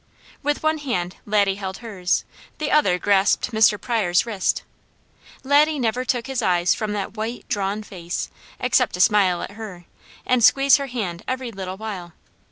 With one hand Laddie held hers, the other grasped Mr. Pryor's wrist. Laddie never took his eyes from that white, drawn face, except to smile at her, and squeeze her hand every little while.